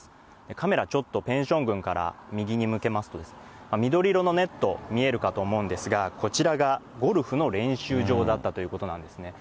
カメラ、ちょっとペンション群から右に向けますと、緑色のネット、見えるかと思うんですが、こちらがゴルフの練習場だったということなんですね。